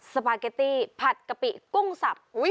สปาเกตตี้ผัดกะปิกุ้งสับ